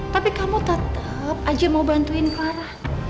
tapi kamu tetap aja mau bantuin clara